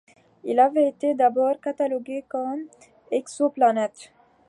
Il avait été d'abord catalogué comme exoplanète.